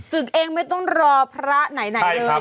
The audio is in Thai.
เองไม่ต้องรอพระไหนเลย